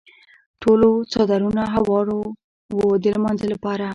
ټولو څادرونه هوار وو د لمانځه لپاره.